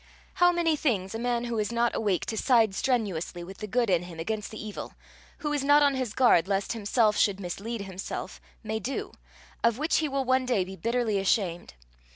How many things a man who is not awake to side strenuously with the good in him against the evil, who is not on his guard lest himself should mislead himself, may do, of which he will one day be bitterly ashamed!